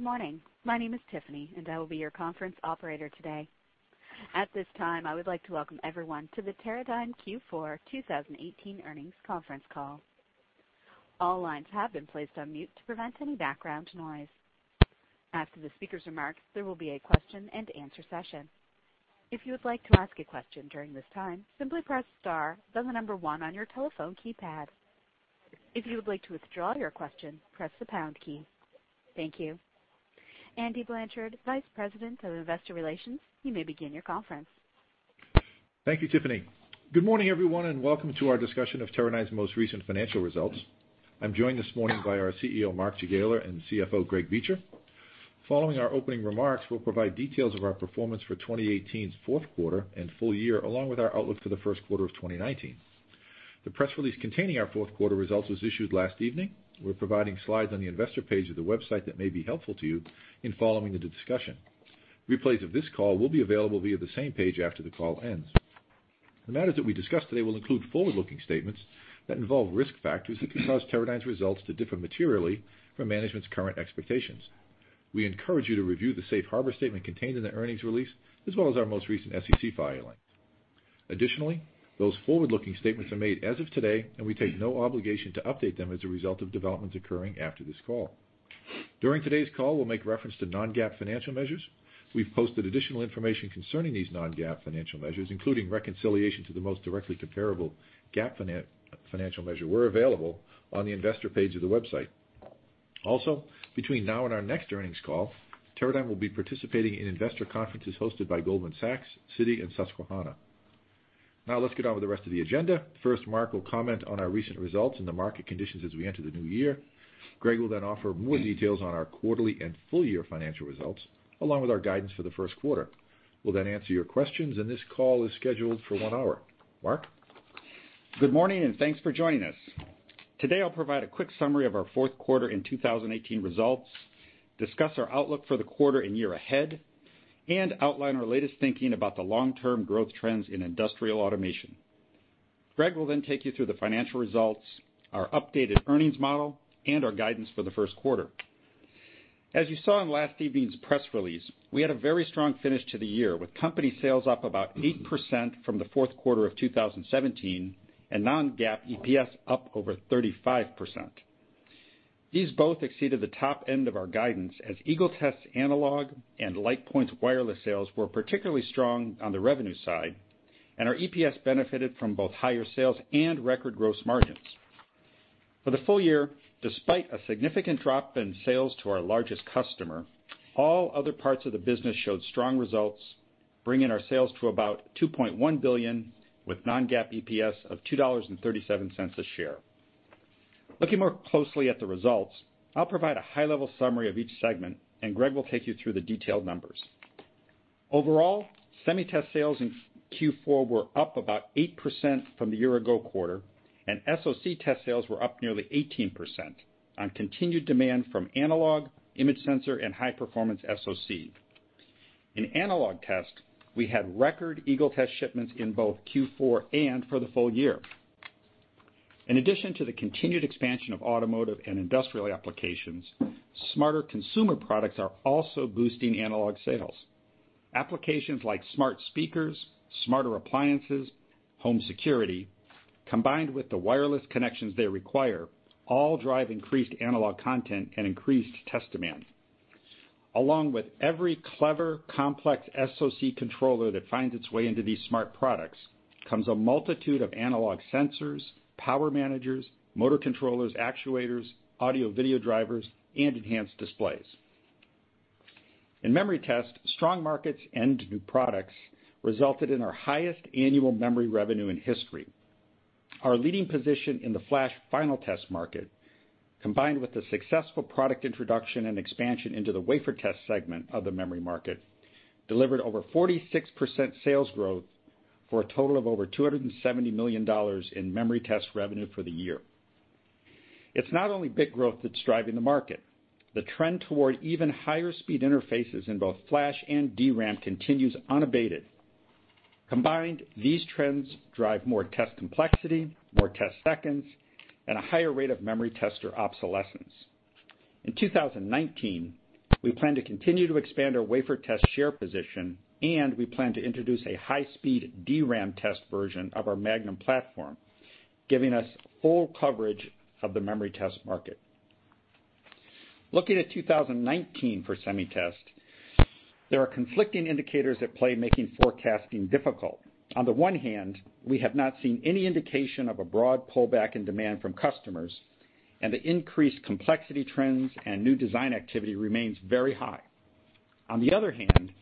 Good morning. My name is Tiffany, and I will be your conference operator today. At this time, I would like to welcome everyone to the Teradyne Q4 2018 earnings conference call. All lines have been placed on mute to prevent any background noise. After the speaker's remarks, there will be a question and answer session. If you would like to ask a question during this time, simply press star then one on your telephone keypad. If you would like to withdraw your question, press the pound key. Thank you. Andy Blanchard, Vice President of Investor Relations, you may begin your conference. Thank you, Tiffany. Good morning, everyone, and welcome to our discussion of Teradyne's most recent financial results. I'm joined this morning by our CEO, Mark Jagiela, and CFO, Greg Beecher. Following our opening remarks, we'll provide details of our performance for 2018's fourth quarter and full year, along with our outlook for the first quarter of 2019. The press release containing our fourth quarter results was issued last evening. We're providing slides on the investor page of the website that may be helpful to you in following the discussion. Replays of this call will be available via the same page after the call ends. The matters that we discuss today will include forward-looking statements that involve risk factors that could cause Teradyne's results to differ materially from management's current expectations. We encourage you to review the safe harbor statement contained in the earnings release, as well as our most recent SEC filing. Additionally, those forward-looking statements are made as of today, and we take no obligation to update them as a result of developments occurring after this call. During today's call, we'll make reference to non-GAAP financial measures. We've posted additional information concerning these non-GAAP financial measures, including reconciliation to the most directly comparable GAAP financial measure, were available on the investor page of the website. Also, between now and our next earnings call, Teradyne will be participating in investor conferences hosted by Goldman Sachs, Citi and Susquehanna. Now let's get on with the rest of the agenda. First, Mark will comment on our recent results and the market conditions as we enter the new year. Greg will then offer more details on our quarterly and full-year financial results, along with our guidance for the first quarter. We'll then answer your questions, and this call is scheduled for one hour. Mark? Good morning, thanks for joining us. Today, I'll provide a quick summary of our fourth quarter and 2018 results, discuss our outlook for the quarter and year ahead, and outline our latest thinking about the long-term growth trends in industrial automation. Greg will take you through the financial results, our updated earnings model, and our guidance for the first quarter. As you saw in last evening's press release, we had a very strong finish to the year, with company sales up about 8% from the fourth quarter of 2017, and non-GAAP EPS up over 35%. These both exceeded the top end of our guidance as Eagle Test analog and LitePoint's wireless sales were particularly strong on the revenue side, and our EPS benefited from both higher sales and record gross margins. For the full year, despite a significant drop in sales to our largest customer, all other parts of the business showed strong results, bringing our sales to about $2.1 billion, with non-GAAP EPS of $2.37 a share. Looking more closely at the results, I'll provide a high-level summary of each segment, Greg will take you through the detailed numbers. Overall, SemiTest sales in Q4 were up about 8% from the year-ago quarter, and SoC Test sales were up nearly 18% on continued demand from analog, image sensor, and high-performance SoC. In analog test, we had record Eagle Test shipments in both Q4 and for the full year. In addition to the continued expansion of automotive and industrial applications, smarter consumer products are also boosting analog sales. Applications like smart speakers, smarter appliances, home security, combined with the wireless connections they require, all drive increased analog content and increased test demand. Along with every clever, complex SoC controller that finds its way into these smart products comes a multitude of analog sensors, power managers, motor controllers, actuators, audio/video drivers, and enhanced displays. In memory test, strong markets and new products resulted in our highest annual memory revenue in history. Our leading position in the flash final test market, combined with the successful product introduction and expansion into the wafer test segment of the memory market, delivered over 46% sales growth for a total of over $270 million in memory test revenue for the year. It's not only bit growth that's driving the market. The trend toward even higher speed interfaces in both flash and DRAM continues unabated. Combined, these trends drive more test complexity, more test seconds, and a higher rate of memory tester obsolescence. In 2019, we plan to continue to expand our wafer test share position, we plan to introduce a high-speed DRAM test version of our Magnum platform, giving us full coverage of the memory test market. Looking at 2019 for SemiTest, there are conflicting indicators at play making forecasting difficult. On the one hand, we have not seen any indication of a broad pullback in demand from customers, the increased complexity trends and new design activity remains very high. On the other hand,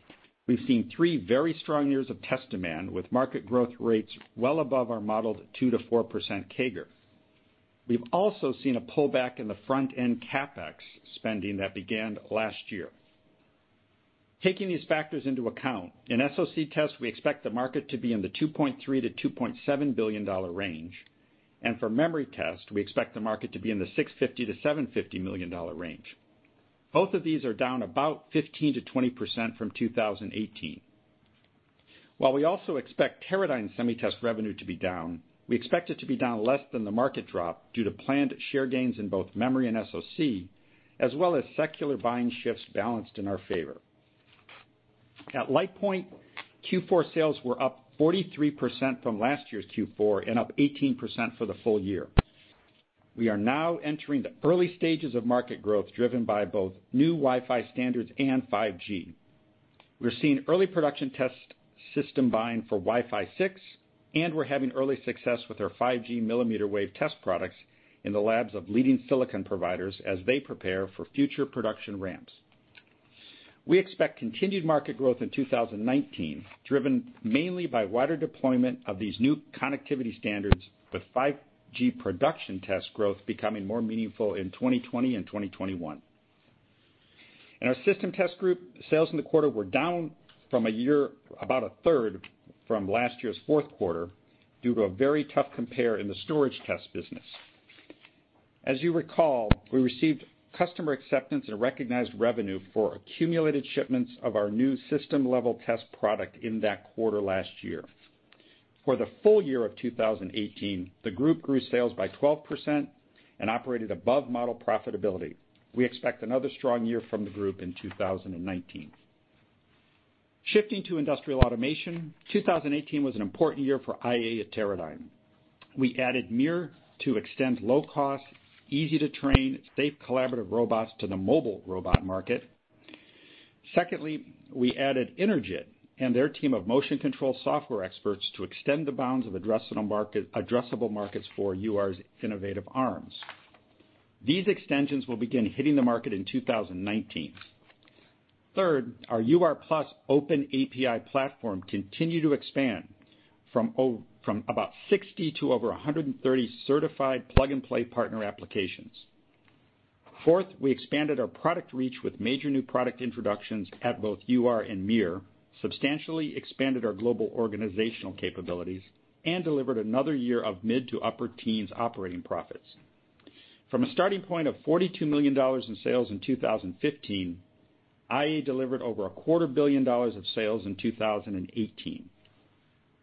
we've seen three very strong years of test demand, with market growth rates well above our modeled 2%-4% CAGR. We've also seen a pullback in the front-end CapEx spending that began last year. Taking these factors into account, in SoC Test, we expect the market to be in the $2.3 billion-$2.7 billion range, and for memory test, we expect the market to be in the $650 million-$750 million range. Both of these are down about 15%-20% from 2018. While we also expect Teradyne SemiTest revenue to be down, we expect it to be down less than the market drop due to planned share gains in both memory and SoC, as well as secular buying shifts balanced in our favor. At LitePoint, Q4 sales were up 43% from last year's Q4 and up 18% for the full year. We are now entering the early stages of market growth, driven by both new Wi-Fi standards and 5G. We're seeing early production test system buying for Wi-Fi 6. We're having early success with our 5G Millimeter Wave test products in the labs of leading silicon providers as they prepare for future production ramps. We expect continued market growth in 2019, driven mainly by wider deployment of these new connectivity standards with 5G production test growth becoming more meaningful in 2020 and 2021. In our System Test group, sales in the quarter were down about a third from last year's fourth quarter due to a very tough compare in the storage test business. As you recall, we received customer acceptance and recognized revenue for accumulated shipments of our new system-level test product in that quarter last year. For the full year of 2018, the group grew sales by 12% and operated above model profitability. We expect another strong year from the group in 2019. Shifting to Industrial Automation, 2018 was an important year for IA at Teradyne. We added MiR to extend low-cost, easy-to-train, safe collaborative robots to the mobile robot market. Secondly, we added Energid and their team of motion control software experts to extend the bounds of addressable markets for UR's innovative arms. These extensions will begin hitting the market in 2019. Third, our UR+ open API platform continued to expand from about 60 to over 130 certified plug-and-play partner applications. Fourth, we expanded our product reach with major new product introductions at both UR and MiR, substantially expanded our global organizational capabilities, and delivered another year of mid-to-upper teens operating profits. From a starting point of $42 million in sales in 2015, IA delivered over a quarter billion dollars of sales in 2018.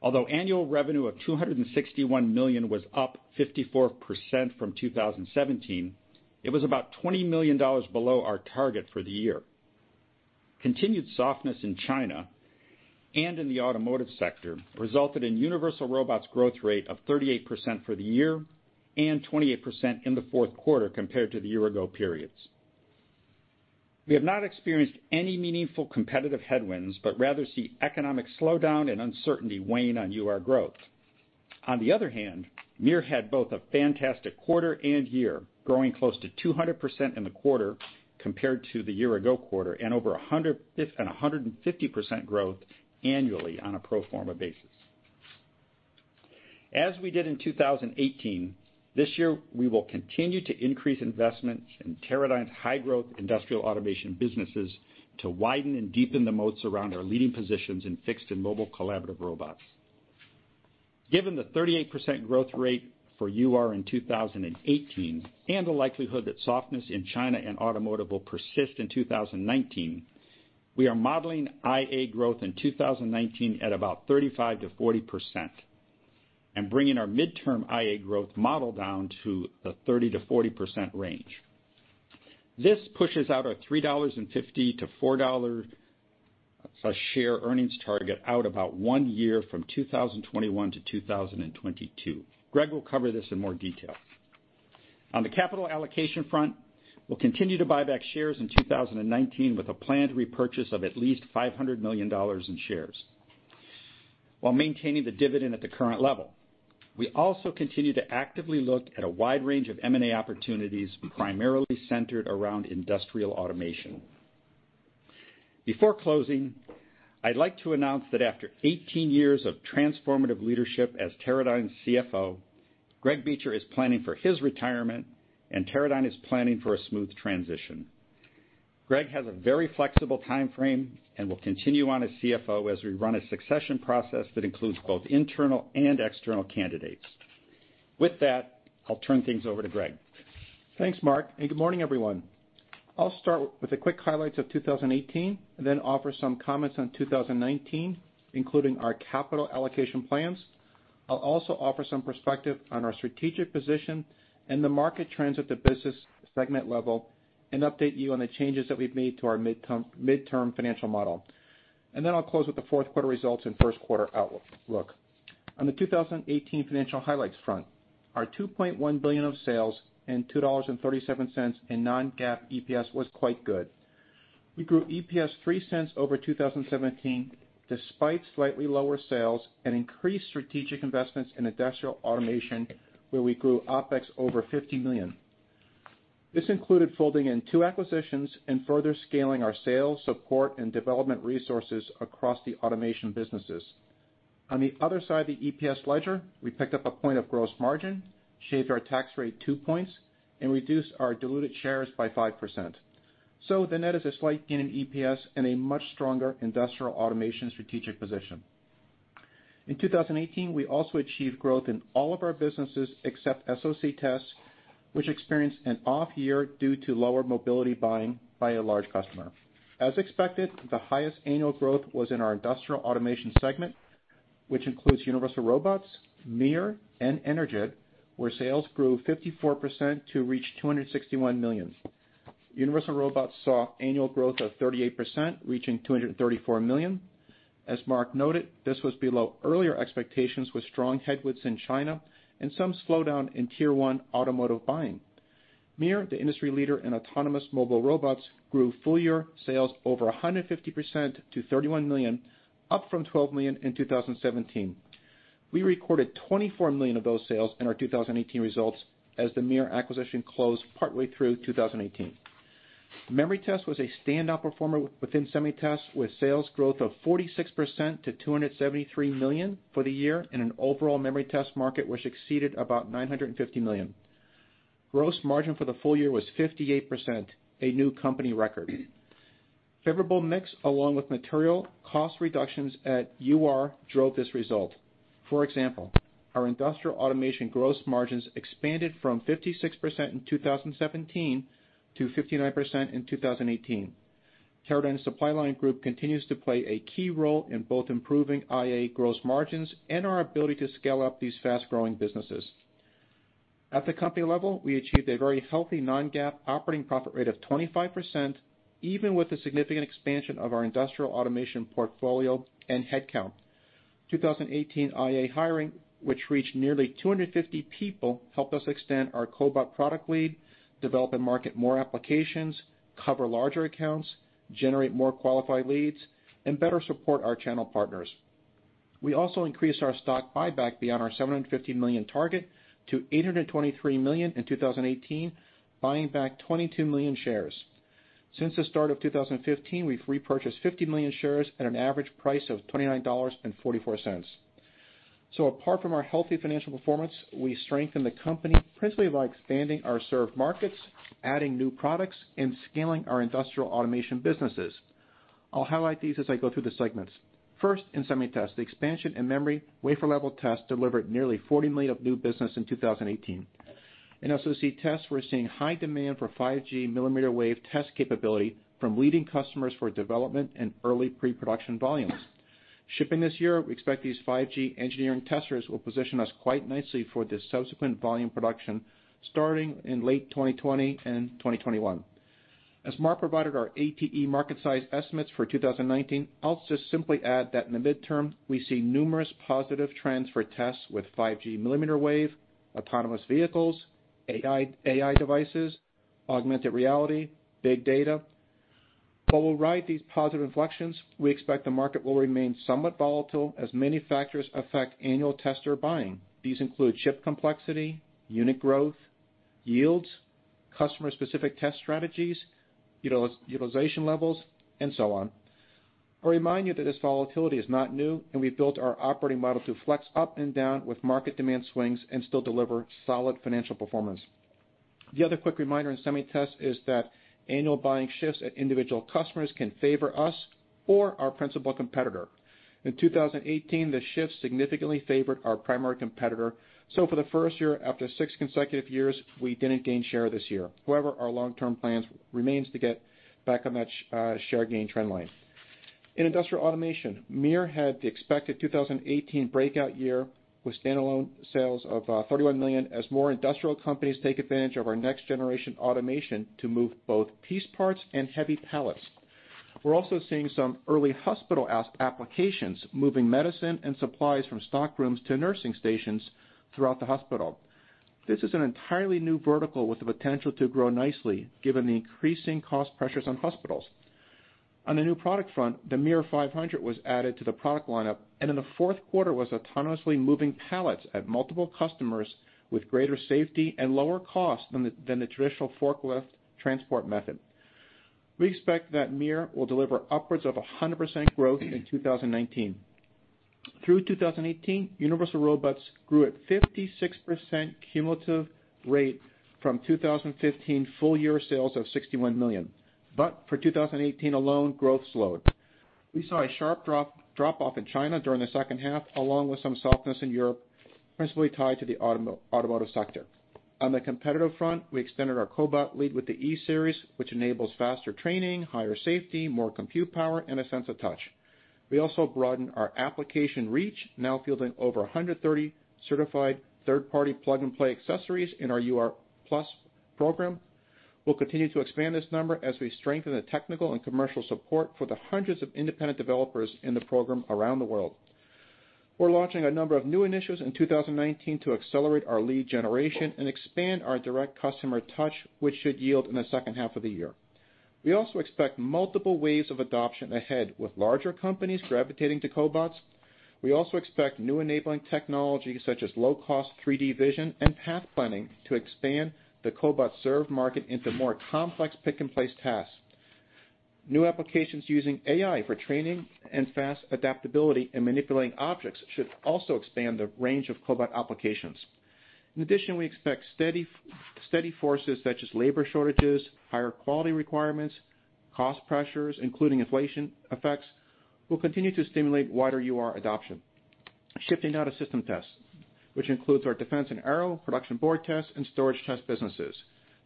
Although annual revenue of $261 million was up 54% from 2017, it was about $20 million below our target for the year. Continued softness in China and in the automotive sector resulted in Universal Robots' growth rate of 38% for the year and 28% in the fourth quarter compared to the year-ago periods. Rather, we see economic slowdown and uncertainty weighing on UR growth. On the other hand, MiR had both a fantastic quarter and year, growing close to 200% in the quarter compared to the year-ago quarter and 150% growth annually on a pro forma basis. As we did in 2018, this year, we will continue to increase investment in Teradyne's high-growth Industrial Automation businesses to widen and deepen the moats around our leading positions in fixed and mobile collaborative robots. Given the 38% growth rate for UR in 2018 and the likelihood that softness in China and automotive will persist in 2019, we are modeling IA growth in 2019 at about 35%-40% and bringing our midterm IA growth model down to the 30%-40% range. This pushes out our $3.50-$4 a share earnings target out about one year from 2021-2022. Greg will cover this in more detail. On the capital allocation front, we'll continue to buy back shares in 2019 with a planned repurchase of at least $500 million in shares while maintaining the dividend at the current level. We also continue to actively look at a wide range of M&A opportunities primarily centered around industrial automation. Before closing, I'd like to announce that after 18 years of transformative leadership as Teradyne's CFO, Greg Beecher is planning for his retirement, and Teradyne is planning for a smooth transition. Greg has a very flexible timeframe and will continue on as CFO as we run a succession process that includes both internal and external candidates. With that, I'll turn things over to Greg. Thanks, Mark, good morning, everyone. I'll start with the quick highlights of 2018 and then offer some comments on 2019 including our capital allocation plans. I'll also offer some perspective on our strategic position and the market trends at the business segment level and update you on the changes that we've made to our midterm financial model. Then I'll close with the fourth quarter results and first quarter outlook. On the 2018 financial highlights front, our $2.1 billion of sales and $2.37 in non-GAAP EPS was quite good. We grew EPS $0.03 over 2017, despite slightly lower sales and increased strategic investments in industrial automation, where we grew OpEx over $50 million. This included folding in two acquisitions and further scaling our sales, support, and development resources across the automation businesses. On the other side of the EPS ledger, we picked up a point of gross margin, shaved our tax rate two points and reduced our diluted shares by 5%. The net is a slight gain in EPS and a much stronger industrial automation strategic position. In 2018, we also achieved growth in all of our businesses except SoC Test, which experienced an off year due to lower mobility buying by a large customer. As expected, the highest annual growth was in our Industrial Automation segment, which includes Universal Robots, MiR, and Energid, where sales grew 54% to reach $261 million. Universal Robots saw annual growth of 38%, reaching $234 million. As Mark noted, this was below earlier expectations with strong headwinds in China and some slowdown in tier one automotive buying. MiR, the industry leader in autonomous mobile robots, grew full-year sales over 150% to $31 million, up from $12 million in 2017. We recorded $24 million of those sales in our 2018 results as the MiR acquisition closed partway through 2018. Memory test was a standout performer within SemiTest, with sales growth of 46% to $273 million for the year in an overall memory test market which exceeded about $950 million. Gross margin for the full year was 58%, a new company record. Favorable mix, along with material cost reductions at UR, drove this result. For example, our Industrial Automation gross margins expanded from 56% in 2017 to 59% in 2018. Teradyne SupplyLine group continues to play a key role in both improving IA gross margins and our ability to scale up these fast-growing businesses. At the company level, we achieved a very healthy non-GAAP operating profit rate of 25%, even with the significant expansion of our Industrial Automation portfolio and headcount. 2018 IA hiring, which reached nearly 250 people, helped us extend our cobot product lead, develop and market more applications, cover larger accounts, generate more qualified leads, and better support our channel partners. We also increased our stock buyback beyond our $750 million target to $823 million in 2018, buying back 22 million shares. Since the start of 2015, we've repurchased 50 million shares at an average price of $29.44. Apart from our healthy financial performance, we strengthened the company principally by expanding our served markets, adding new products, and scaling our Industrial Automation businesses. I'll highlight these as I go through the segments. First, in SemiTest. The expansion in memory wafer-level test delivered nearly $40 million of new business in 2018. In SoC Test, we're seeing high demand for 5G Millimeter Wave test capability from leading customers for development and early pre-production volumes. Shipping this year, we expect these 5G engineering testers will position us quite nicely for the subsequent volume production starting in late 2020 and 2021. As Mark provided our ATE market size estimates for 2019, I'll just simply add that in the midterm, we see numerous positive trends for tests with 5G Millimeter Wave, autonomous vehicles, AI devices, augmented reality, big data. While we'll ride these positive inflections, we expect the market will remain somewhat volatile as many factors affect annual tester buying. These include chip complexity, unit growth, yields, customer-specific test strategies, utilization levels, and so on. I'll remind you that this volatility is not new and we built our operating model to flex up and down with market demand swings and still deliver solid financial performance. The other quick reminder in SemiTest is that annual buying shifts at individual customers can favor us or our principal competitor. In 2018, the shift significantly favored our primary competitor. For the first year after six consecutive years, we didn't gain share this year. However, our long-term plan remains to get back on that share gain trend line. In Industrial Automation, MiR had the expected 2018 breakout year with standalone sales of $31 million as more industrial companies take advantage of our next-generation automation to move both piece parts and heavy pallets. We're also seeing some early hospital applications, moving medicine and supplies from stock rooms to nursing stations throughout the hospital. This is an entirely new vertical with the potential to grow nicely given the increasing cost pressures on hospitals. On the new product front, the MiR500 was added to the product lineup and in the fourth quarter was autonomously moving pallets at multiple customers with greater safety and lower cost than the traditional forklift transport method. We expect that MiR will deliver upwards of 100% growth in 2019. Through 2018, Universal Robots grew at 56% cumulative rate from 2015 full-year sales of $61 million. But for 2018 alone, growth slowed. We saw a sharp drop-off in China during the second half, along with some softness in Europe, principally tied to the automotive sector. On the competitive front, we extended our cobot lead with the e-Series, which enables faster training, higher safety, more compute power, and a sense of touch. We also broadened our application reach, now fielding over 130 certified third-party plug-and-play accessories in our UR+ program. We'll continue to expand this number as we strengthen the technical and commercial support for the hundreds of independent developers in the program around the world. We're launching a number of new initiatives in 2019 to accelerate our lead generation and expand our direct customer touch, which should yield in the second half of the year. We also expect multiple waves of adoption ahead, with larger companies gravitating to cobots. We also expect new enabling technologies such as low-cost 3D vision and path planning to expand the cobot served market into more complex pick-and-place tasks. New applications using AI for training and fast adaptability in manipulating objects should also expand the range of cobot applications. In addition, we expect steady forces such as labor shortages, higher quality requirements, cost pressures, including inflation effects, will continue to stimulate wider UR adoption. Shifting now to System Test, which includes our defense and aero production board test and storage test businesses.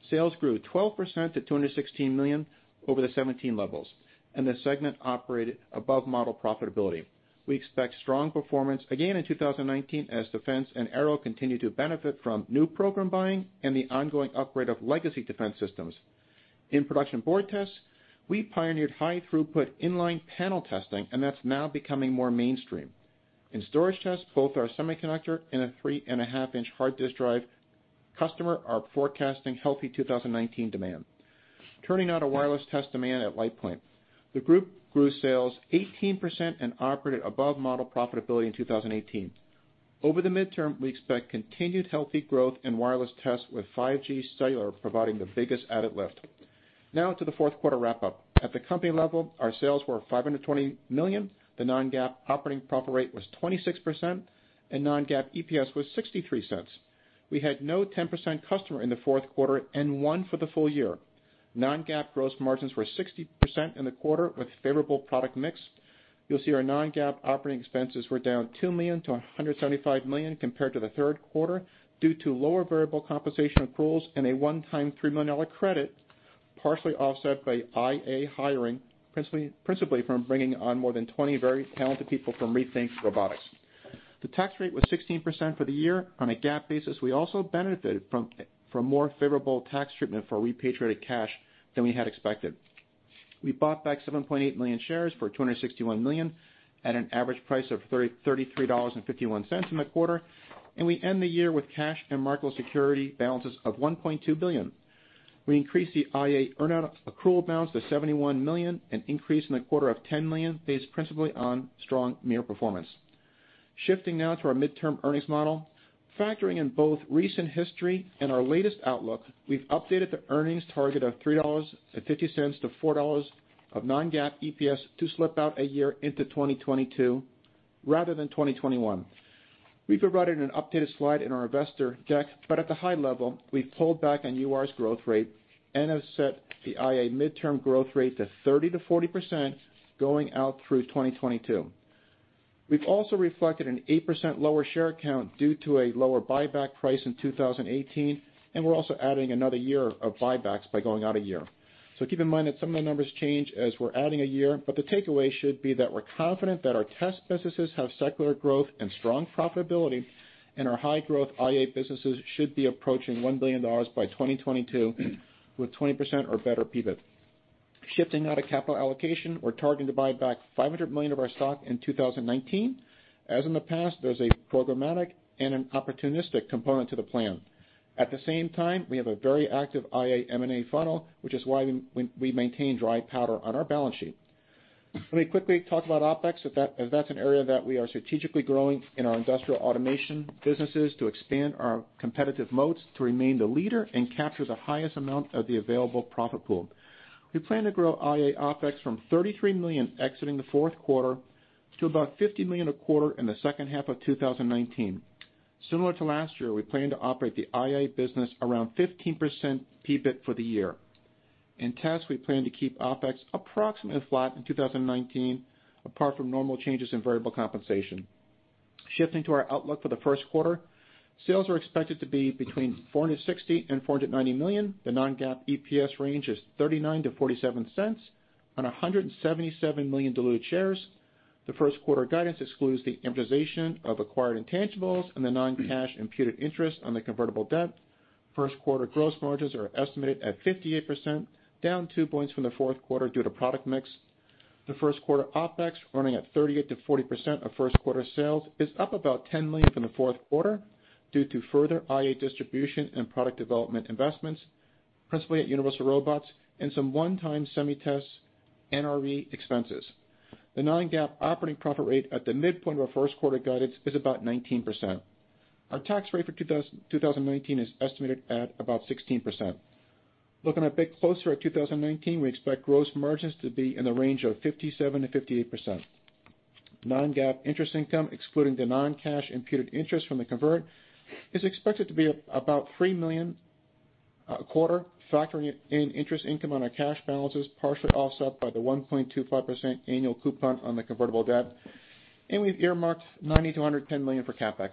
Sales grew 12% to $216 million over the 2017 levels, and the segment operated above model profitability. We expect strong performance again in 2019 as defense and aero continue to benefit from new program buying and the ongoing upgrade of legacy defense systems. In production board tests, we pioneered high throughput inline panel testing, and that's now becoming more mainstream. In storage tests, both our semiconductor and a three-and-a-half inch hard disk drive customer are forecasting healthy 2019 demand. Turning now to wireless test demand at LitePoint. The group grew sales 18% and operated above model profitability in 2018. Over the midterm, we expect continued healthy growth in wireless tests with 5G cellular providing the biggest added lift. Now to the fourth quarter wrap up. At the company level, our sales were $520 million, the non-GAAP operating profit rate was 26%, and non-GAAP EPS was $0.63. We had no 10% customer in the fourth quarter and one for the full year. Non-GAAP gross margins were 60% in the quarter, with favorable product mix. You'll see our non-GAAP operating expenses were down $2 million-$175 million compared to the third quarter due to lower variable compensation accruals and a one-time $3 million credit, partially offset by IA hiring, principally from bringing on more than 20 very talented people from Rethink Robotics. The tax rate was 16% for the year. On a GAAP basis, we also benefited from more favorable tax treatment for repatriated cash than we had expected. We bought back 7.8 million shares for $261 million at an average price of $33.51 in the quarter and we end the year with cash and marketable security balances of $1.2 billion. We increased the IA earnout accrual balance to $71 million, an increase in the quarter of $10 million based principally on strong MiR performance. Shifting now to our midterm earnings model. Factoring in both recent history and our latest outlook, we've updated the earnings target of $3.50-$4 of non-GAAP EPS to slip out a year into 2022 rather than 2021. We provided an updated slide in our investor deck but at the high level, we've pulled back on UR's growth rate and have set the IA midterm growth rate to 30%-40% going out through 2022. We've also reflected an 8% lower share count due to a lower buyback price in 2018, and we're also adding another year of buybacks by going out a year. Keep in mind that some of the numbers change as we're adding a year but the takeaway should be that we're confident that our test businesses have secular growth and strong profitability, and our high-growth IA businesses should be approaching $1 billion by 2022 with 20% or better PBIT. Shifting now to capital allocation. We're targeting to buy back $500 million of our stock in 2019. As in the past, there's a programmatic and an opportunistic component to the plan. At the same time, we have a very active IA M&A funnel, which is why we maintain dry powder on our balance sheet. Let me quickly talk about OpEx, as that's an area that we are strategically growing in our industrial automation businesses to expand our competitive moats to remain the leader and capture the highest amount of the available profit pool. We plan to grow IA OpEx from $33 million exiting the fourth quarter to about $50 million a quarter in the second half of 2019. Similar to last year, we plan to operate the IA business around 15% PBIT for the year. In tests, we plan to keep OpEx approximately flat in 2019, apart from normal changes in variable compensation. Shifting to our outlook for the first quarter, sales are expected to be between $460 million and $490 million. The non-GAAP EPS range is $0.39-$0.47 on 177 million diluted shares. The first quarter guidance excludes the amortization of acquired intangibles and the non-cash imputed interest on the convertible debt. First quarter gross margins are estimated at 58%, down two points from the fourth quarter due to product mix. The first quarter OpEx, running at 38%-40% of first quarter sales, is up about $10 million from the fourth quarter due to further IA distribution and product development investments, principally at Universal Robots and some one-time SemiTest NRE expenses. The non-GAAP operating profit rate at the midpoint of our first quarter guidance is about 19%. Our tax rate for 2019 is estimated at about 16%. Looking a bit closer at 2019, we expect gross margins to be in the range of 57%-58%. Non-GAAP interest income, excluding the non-cash imputed interest from the convert, is expected to be about $3 million a quarter, factoring in interest income on our cash balances, partially offset by the 1.25% annual coupon on the convertible debt. We've earmarked $90 million-$110 million for CapEx.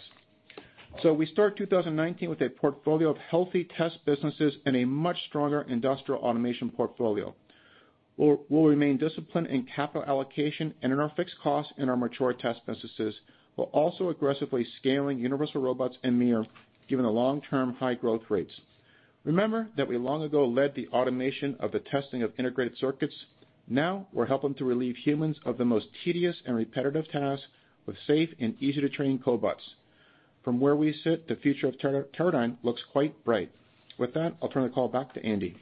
We start 2019 with a portfolio of healthy test businesses and a much stronger industrial automation portfolio. We'll remain disciplined in capital allocation and in our fixed costs in our mature test businesses, while also aggressively scaling Universal Robots and MiR given the long-term high growth rates. Remember that we long ago led the automation of the testing of integrated circuits. Now we're helping to relieve humans of the most tedious and repetitive tasks with safe and easy-to-train cobots. From where we sit, the future of Teradyne looks quite bright. With that, I'll turn the call back to Andy.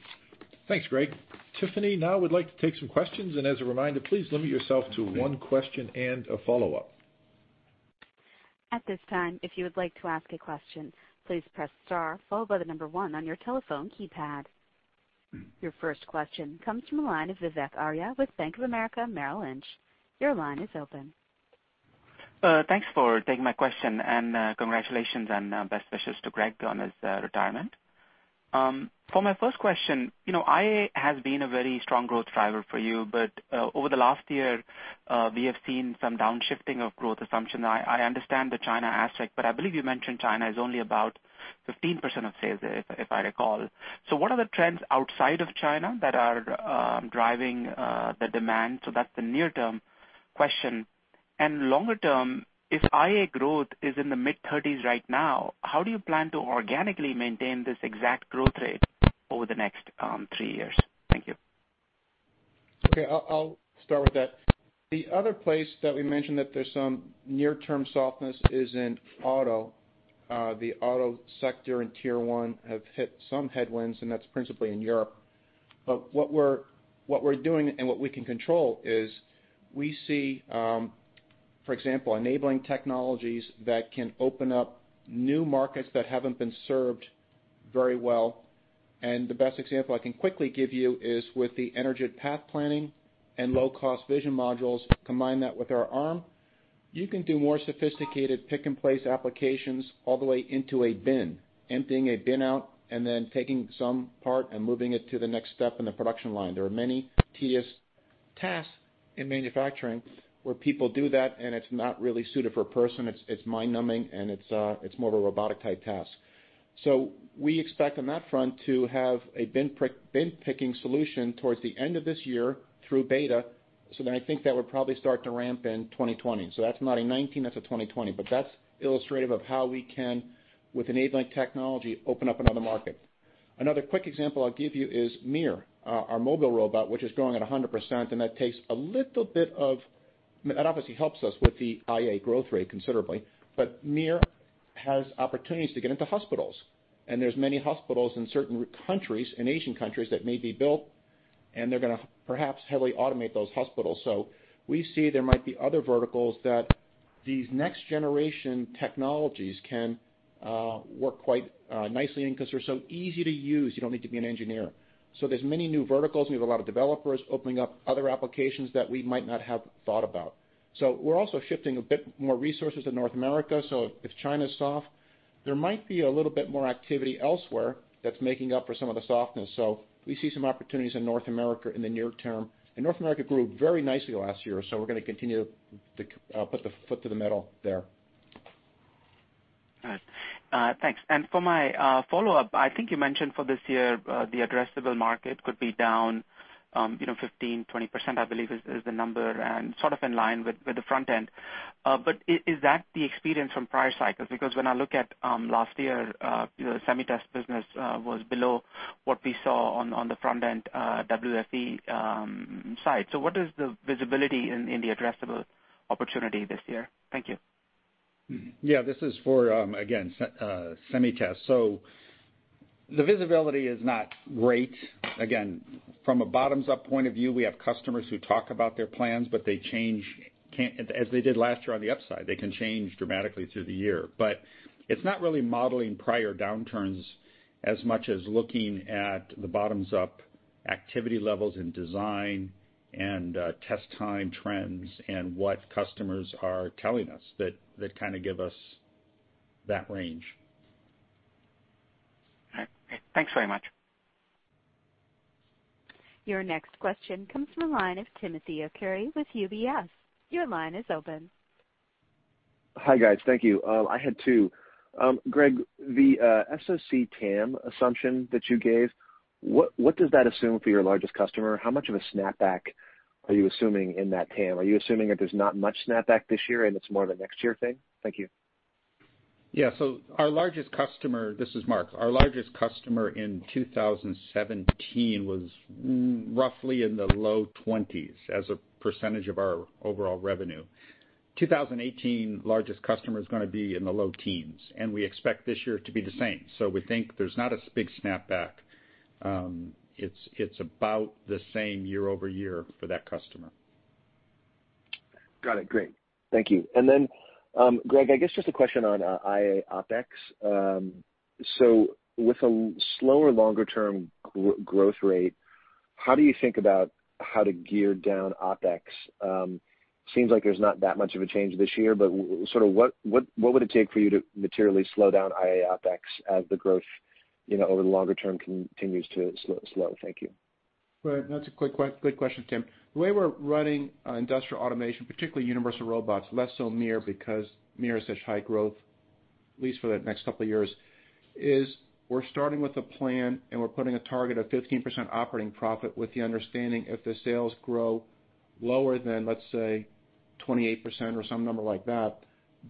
Thanks, Greg. Tiffany, now we'd like to take some questions, and as a reminder, please limit yourself to one question and a follow-up. At this time, if you would like to ask a question, please press star followed by the number one on your telephone keypad. Your first question comes from the line of Vivek Arya with Bank of America Merrill Lynch. Your line is open. Thanks for taking my question, and congratulations and best wishes to Greg on his retirement. For my first question, IA has been a very strong growth driver for you. Over the last year, we have seen some downshifting of growth assumption. I understand the China aspect but I believe you mentioned China is only about 15% of sales there, if I recall. What are the trends outside of China that are driving the demand? That's the near-term question. Longer-term, if IA growth is in the mid-30s right now, how do you plan to organically maintain this exact growth rate over the next three years? Thank you. Okay, I'll start with that. The other place that we mentioned that there's some near-term softness is in auto. The auto sector and tier one have hit some headwinds and that's principally in Europe. What we're doing and what we can control is we see, for example, enabling technologies that can open up new markets that haven't been served very well. The best example I can quickly give you is with the Energid path planning and low-cost vision modules, combine that with our arm, you can do more sophisticated pick-and-place applications all the way into a bin, emptying a bin out and then taking some part and moving it to the next step in the production line. There are many tedious tasks in manufacturing where people do that, and it's not really suited for a person. It's mind-numbing, and it's more of a robotic-type task. We expect on that front to have a bin-picking solution towards the end of this year through beta. I think that would probably start to ramp in 2020. That's not a 2019, that's a 2020. That's illustrative of how we can, with enabling technology, open up another market. Another quick example I'll give you is MiR, our mobile robot which is growing at 100%, and that obviously helps us with the IA growth rate considerably. MiR has opportunities to get into hospitals, and there's many hospitals in certain countries, in Asian countries, that may be built and they're going to perhaps heavily automate those hospitals. We see there might be other verticals that these next-generation technologies can work quite nicely in because they're so easy to use. You don't need to be an engineer. There's many new verticals and we have a lot of developers opening up other applications that we might not have thought about. We're also shifting a bit more resources to North America. If China's soft, there might be a little bit more activity elsewhere that's making up for some of the softness. We see some opportunities in North America in the near term. North America grew very nicely last year, we're going to continue to put the foot to the metal there. All right. Thanks. For my follow-up, I think you mentioned for this year, the addressable market could be down 15%-20%, I believe is the number, and sort of in line with the front end. Is that the experience from prior cycles? Because when I look at last year, SemiTest business was below what we saw on the front end WFE side. What is the visibility in the addressable opportunity this year? Thank you. Yeah, this is for, again, SemiTest. The visibility is not great. Again, from a bottoms-up point of view, we have customers who talk about their plans but they change, as they did last year on the upside. They can change dramatically through the year. It's not really modeling prior downturns as much as looking at the bottoms-up activity levels in design and test time trends and what customers are telling us that kind of give us that range. All right. Thanks very much. Your next question comes from the line of Timothy Arcuri with UBS. Your line is open. Hi, guys. Thank you. I had two. Greg, the SoC TAM assumption that you gave, what does that assume for your largest customer? How much of a snapback are you assuming in that TAM? Are you assuming that there's not much snapback this year and it's more of a next year thing? Thank you. Yeah. This is Mark. Our largest customer in 2017 was roughly in the low 20s as a percentage of our overall revenue. 2018 largest customer is going to be in the low teens, and we expect this year to be the same. We think there's not a big snapback. It's about the same year-over-year for that customer. Got it. Great. Thank you. Greg, I guess just a question on IA OpEx. With a slower longer-term growth rate, how do you think about how to gear down OpEx? Seems like there's not that much of a change this year, but sort of what would it take for you to materially slow down IA OpEx as the growth over the longer term continues to slow? Thank you. Right. That's a good question, Tim. The way we're running industrial automation, particularly Universal Robots, less so MiR because MiR is such high growth, at least for the next couple of years, is we're starting with a plan and we're putting a target of 15% operating profit with the understanding if the sales grow lower than, let's say, 28% or some number like that,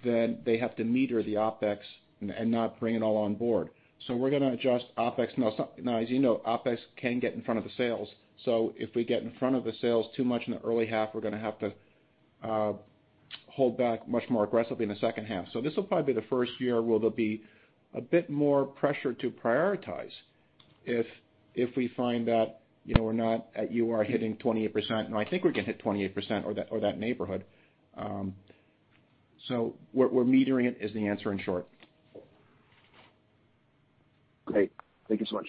they have to meter the OpEx and not bring it all on board. We're going to adjust OpEx. Now, as you know, OpEx can get in front of the sales. If we get in front of the sales too much in the early half, we're going to have to hold back much more aggressively in the second half. This will probably be the first year where there'll be a bit more pressure to prioritize if we find that we're not at UR hitting 28%, and I think we can hit 28% or that neighborhood. We're metering it is the answer, in short. Great. Thank you so much.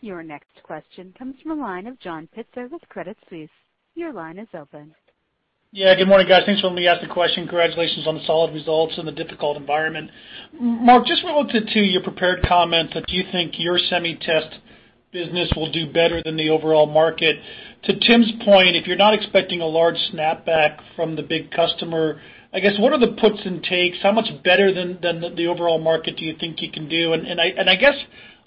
Your next question comes from the line of John Pitzer with Credit Suisse. Your line is open. Yeah, good morning, guys. Thanks for letting me ask the question. Congratulations on the solid results in a difficult environment. Mark, just wanted to your prepared comments that you think your SemiTest business will do better than the overall market. To Tim's point, if you're not expecting a large snapback from the big customer, I guess, what are the puts and takes? How much better than the overall market do you think you can do? I guess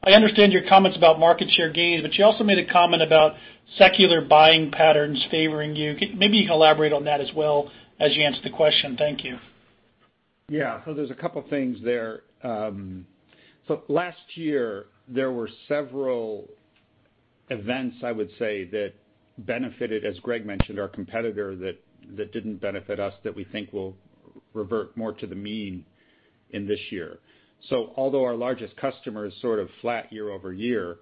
I understand your comments about market share gains but you also made a comment about secular buying patterns favoring you. Maybe you can elaborate on that as well as you answer the question. Thank you. There's a couple things there. Last year, there were several events, I would say, that benefited, as Greg mentioned, our competitor that didn't benefit us, that we think will revert more to the mean in this year. Although our largest customer is sort of flat year-over-year,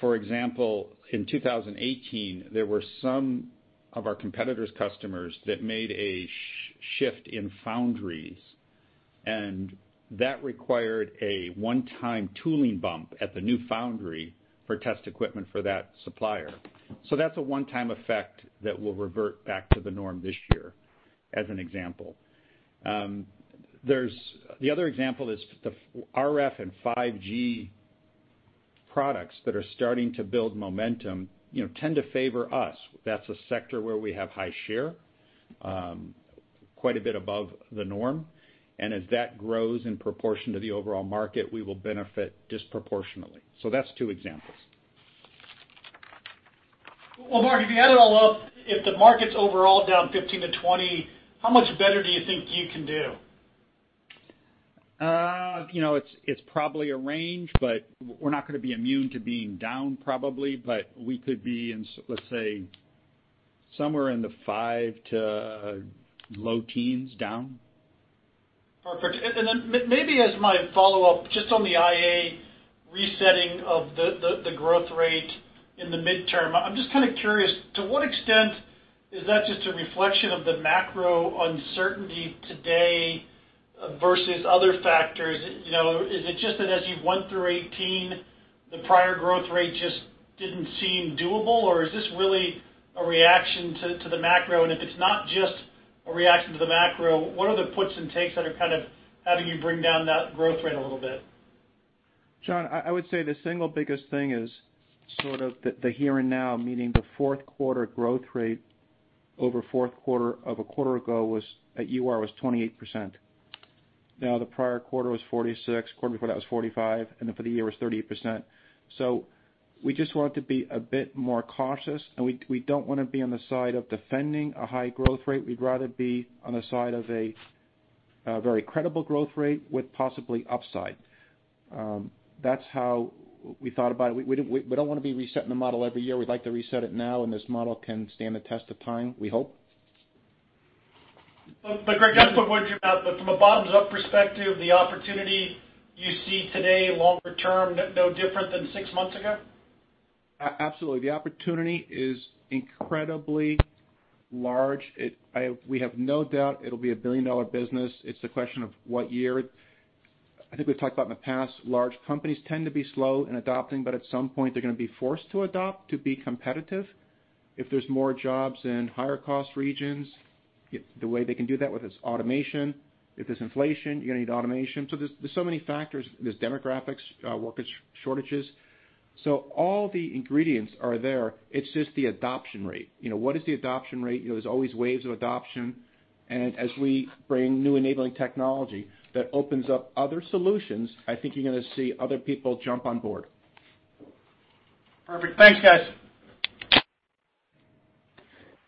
for example, in 2018, there were some of our competitor's customers that made a shift in foundries, and that required a one-time tooling bump at the new foundry for test equipment for that supplier. That's a one-time effect that will revert back to the norm this year, as an example. The other example is the RF and 5G products that are starting to build momentum tend to favor us. That's a sector where we have high share, quite a bit above the norm. As that grows in proportion to the overall market, we will benefit disproportionately. That's two examples. Well, Mark, if you add it all up, if the market's overall down 15%-20%, how much better do you think you can do? It's probably a range, we're not going to be immune to being down probably, we could be in, let's say, somewhere in the 5% to low teens down. Perfect. Maybe as my follow-up, just on the IA resetting of the growth rate in the midterm, I'm just kind of curious to what extent is that just a reflection of the macro uncertainty today versus other factors? Is it just that as you've went through 2018, the prior growth rate just didn't seem doable, or is this really a reaction to the macro? If it's not just a reaction to the macro, what are the puts and takes that are kind of having you bring down that growth rate a little bit? John, I would say the single biggest thing is sort of the here and now, meaning the fourth quarter growth rate over fourth quarter of a quarter ago at UR was 28%. The prior quarter was 46%, the quarter before that was 45%, for the year was 38%. We just wanted to be a bit more cautious. We don't want to be on the side of defending a high growth rate. We'd rather be on the side of a very credible growth rate with possibly upside. That's how we thought about it. We don't want to be resetting the model every year. We'd like to reset it now, this model can stand the test of time, we hope. Greg, from a bottoms-up perspective, the opportunity you see today longer term, no different than six months ago? Absolutely. The opportunity is incredibly large. We have no doubt it'll be a billion-dollar business. It's a question of what year. I think we've talked about in the past, large companies tend to be slow in adopting, but at some point they're going to be forced to adopt to be competitive. If there's more jobs in higher cost regions, the way they can do that with is automation. If there's inflation, you're going to need automation. There's so many factors. There's demographics, worker shortages. All the ingredients are there. It's just the adoption rate. What is the adoption rate? There's always waves of adoption. As we bring new enabling technology that opens up other solutions, I think you're going to see other people jump on board. Perfect. Thanks, guys.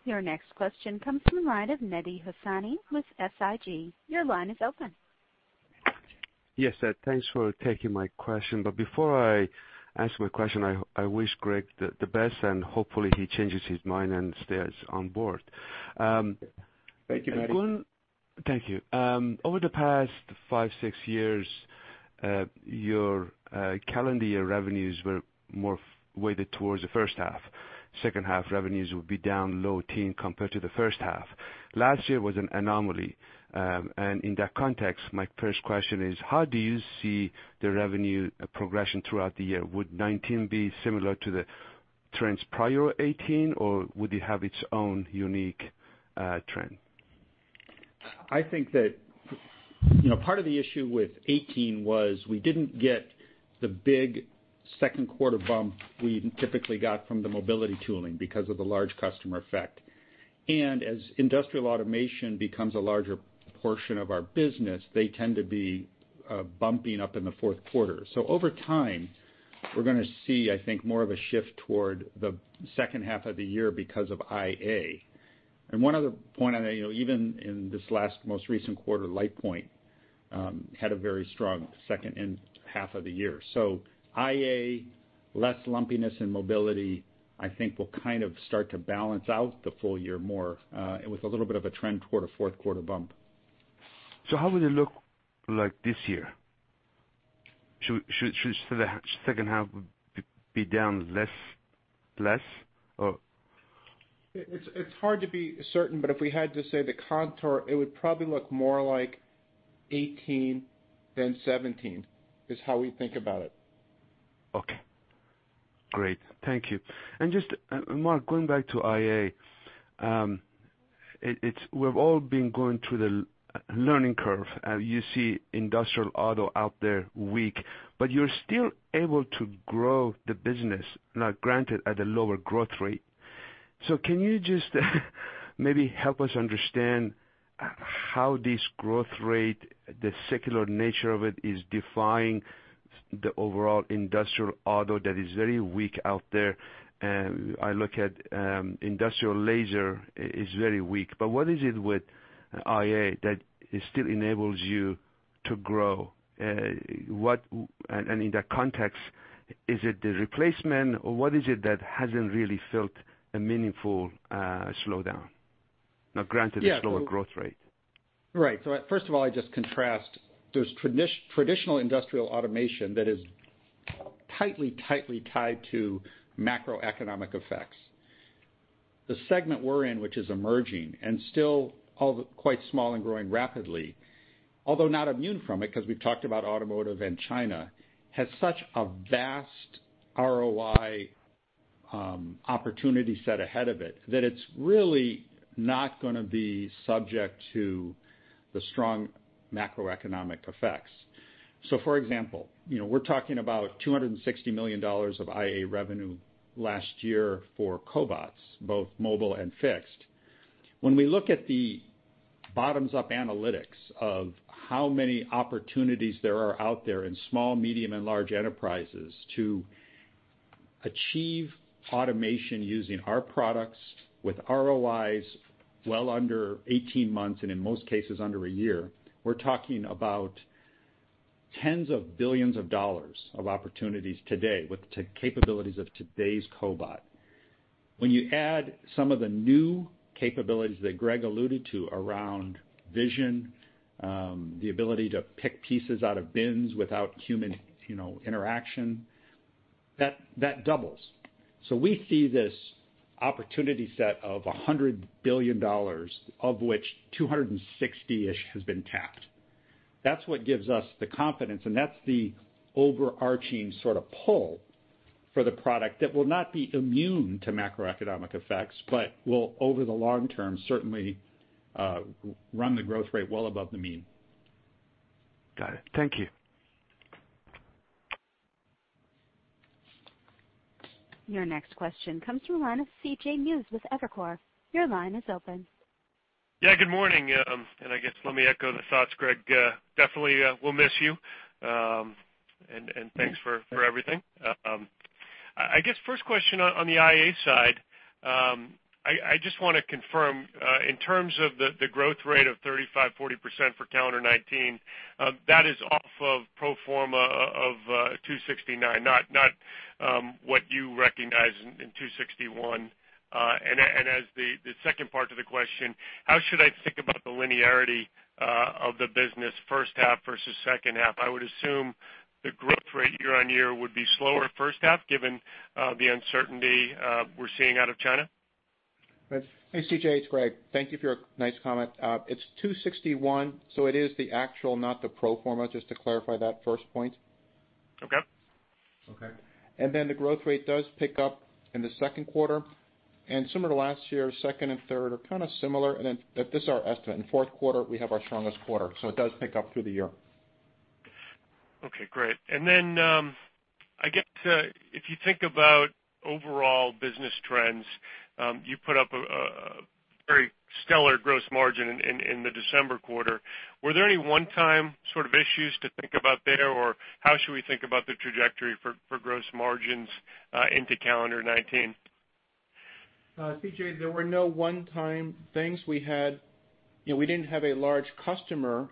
Your next question comes from the line of Mehdi Hosseini with SIG. Your line is open. Yes, thanks for taking my question. Before I ask my question, I wish Greg the best and hopefully he changes his mind and stays on board. Thank you, Mehdi. Thank you. Over the past five, six years, your calendar year revenues were more weighted towards the first half. Second half revenues would be down low teen compared to the first half. Last year was an anomaly. In that context, my first question is how do you see the revenue progression throughout the year? Would 2019 be similar to the trends prior 2018, or would it have its own unique trend? I think that part of the issue with 2018 was we didn't get the big second quarter bump we typically got from the mobility tooling because of the large customer effect. As Industrial Automation becomes a larger portion of our business, they tend to be bumping up in the fourth quarter. Over time, we're going to see, I think, more of a shift toward the second half of the year because of IA. One other point, even in this last most recent quarter, LitePoint had a very strong second half of the year. IA, less lumpiness and mobility, I think will kind of start to balance out the full year more, with a little bit of a trend toward a fourth quarter bump. How would it look like this year? Should second half be down less? It's hard to be certain but if we had to say the contour, it would probably look more like 2018 than 2017, is how we think about it. Okay. Great. Thank you. Just, Mark, going back to IA. We've all been going through the learning curve. You see industrial auto out there weak, but you're still able to grow the business. Now granted, at a lower growth rate. Can you just maybe help us understand how this growth rate, the secular nature of it, is defying the overall industrial auto that is very weak out there? I look at industrial laser is very weak. What is it with IA that still enables you to grow? In that context, is it the replacement, or what is it that hasn't really felt a meaningful slowdown? Now granted. Yeah the slower growth rate. Right. First of all, I just contrast, there's traditional industrial automation that is tightly tied to macroeconomic effects. The segment we're in, which is emerging, and still quite small and growing rapidly, although not immune from it because we've talked about automotive and China, has such a vast ROI opportunity set ahead of it, that it's really not going to be subject to the strong macroeconomic effects. For example, we're talking about $260 million of IA revenue last year for cobots, both mobile and fixed. When we look at the bottoms-up analytics of how many opportunities there are out there in small, medium, and large enterprises to achieve automation using our products with ROIs well under 18 months, and in most cases, under a year, we're talking about tens of billions of dollars of opportunities today with the capabilities of today's cobot. When you add some of the new capabilities that Greg alluded to around vision, the ability to pick pieces out of bins without human interaction, that doubles. We see this opportunity set of $100 billion of which 260-ish has been tapped. That's what gives us the confidence, and that's the overarching sort of pull for the product that will not be immune to macroeconomic effects, but will, over the long term, certainly run the growth rate well above the mean. Got it. Thank you. Your next question comes from the line of CJ Muse with Evercore. Your line is open. Yeah, good morning. I guess let me echo the thoughts, Greg. Definitely will miss you. Thanks for everything. I guess first question on the IA side. I just want to confirm, in terms of the growth rate of 35%-40% for calendar 2019, that is off of pro forma of $269, not what you recognized in $261. As the second part to the question, how should I think about the linearity of the business first half versus second half? I would assume the growth rate year-over-year would be slower first half, given the uncertainty we're seeing out of China. Hey, CJ. It's Greg. Thank you for your nice comment. It's $261, so it is the actual, not the pro forma, just to clarify that first point. Okay. Okay. The growth rate does pick up in the second quarter. Similar to last year, second and third are kind of similar. This is our estimate, in fourth quarter, we have our strongest quarter so it does pick up through the year. Okay, great. I guess, if you think about overall business trends, you put up a very stellar gross margin in the December quarter. Were there any one-time sort of issues to think about there? Or how should we think about the trajectory for gross margins into calendar 2019? CJ, there were no one-time things. We didn't have a large customer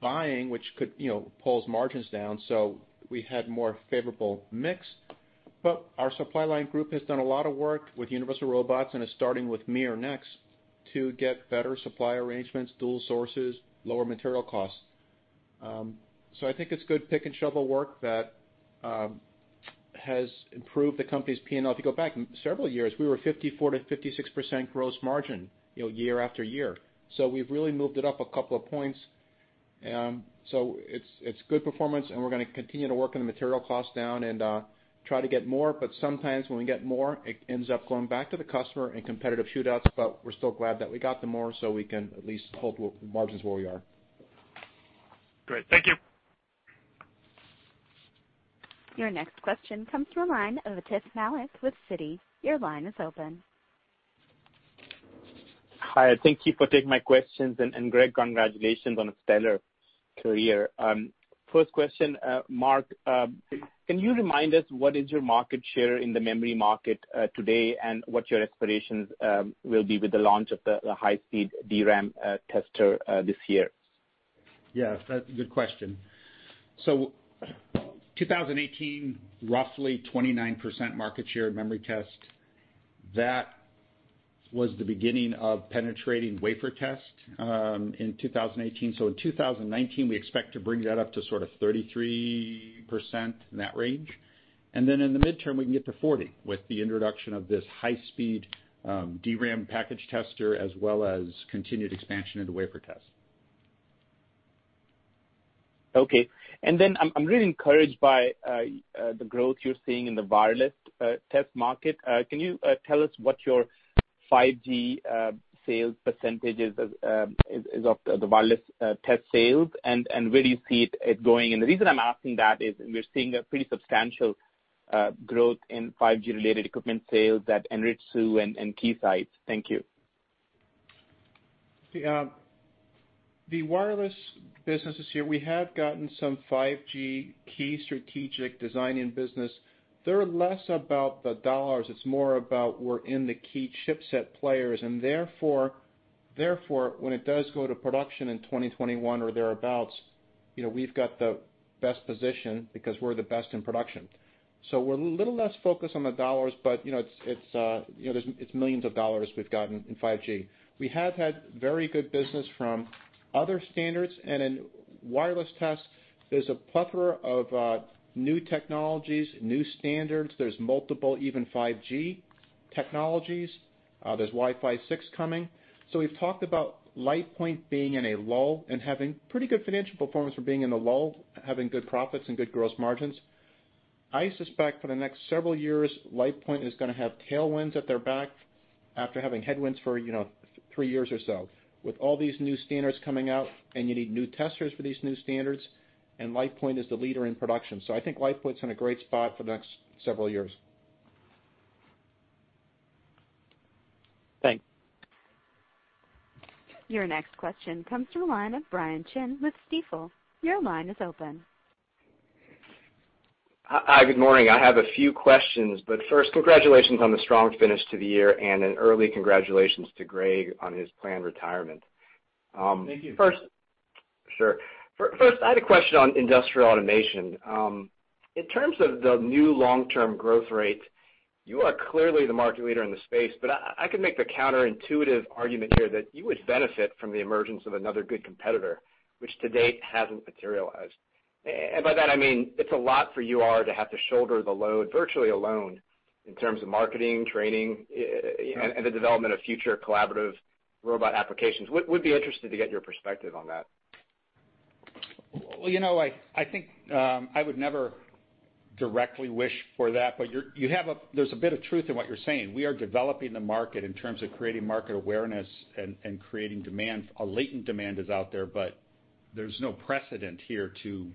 buying which could pull those margins down so we had more favorable mix. Our Supply Line group has done a lot of work with Universal Robots and is starting with MiR next to get better supply arrangements, dual sources, lower material costs. I think it's good pick and shovel work that has improved the company's P&L. If you go back several years, we were 54%-56% gross margin year after year. We've really moved it up a couple of points. It's good performance, and we're going to continue to work on the material costs down and try to get more, sometimes when we get more, it ends up going back to the customer in competitive shootouts. We're still glad that we got the more so we can at least hold margins where we are. Great. Thank you. Your next question comes from the line of Atif Malik with Citi. Your line is open. Hi, thank you for taking my questions. Greg, congratulations on a stellar career. First question, Mark, can you remind us what is your market share in the memory market today and what your expectations will be with the launch of the high-speed DRAM tester this year? Yeah, good question. 2018, roughly 29% market share in memory test. Was the beginning of penetrating wafer test in 2018. In 2019, we expect to bring that up to sort of 33%, in that range. Then in the midterm, we can get to 40% with the introduction of this high-speed DRAM package tester, as well as continued expansion into wafer test. Okay. Then I'm really encouraged by the growth you're seeing in the wireless test market. Can you tell us what your 5G sales percentage is of the wireless test sales, and where do you see it going? The reason I'm asking that is we're seeing a pretty substantial growth in 5G-related equipment sales at Anritsu and Keysight. Thank you. The wireless business this year, we have gotten some 5G key strategic design-in business. They're less about the dollars. It's more about we're in the key chipset players, and therefore, when it does go to production in 2021 or thereabouts, we've got the best position because we're the best in production. We're a little less focused on the dollars but it's millions of dollars we've gotten in 5G. We have had very good business from other standards, and in wireless tests, there's a plethora of new technologies, new standards. There's multiple even 5G technologies. There's Wi-Fi 6 coming. We've talked about LitePoint being in a lull and having pretty good financial performance for being in a lull, having good profits and good gross margins. I suspect for the next several years, LitePoint is going to have tailwinds at their back after having headwinds for three years or so. With all these new standards coming out, you need new testers for these new standards, LitePoint is the leader in production. I think LitePoint's in a great spot for the next several years. Thanks. Your next question comes through the line of Brian Chin with Stifel. Your line is open. Hi, good morning. I have a few questions but first, congratulations on the strong finish to the year, and an early congratulations to Greg on his planned retirement. Thank you. Sure. First, I had a question on industrial automation. In terms of the new long-term growth rate, you are clearly the market leader in the space but I can make the counterintuitive argument here that you would benefit from the emergence of another good competitor, which to date hasn't materialized. By that, I mean it's a lot for UR to have to shoulder the load virtually alone in terms of marketing, training, and the development of future collaborative robot applications. Would be interested to get your perspective on that. I think I would never directly wish for that, but there's a bit of truth in what you're saying. We are developing the market in terms of creating market awareness and creating demand. A latent demand is out there but there's no precedent here to